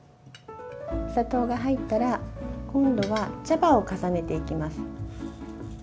お砂糖が入ったら今度は茶葉を重ねていきます。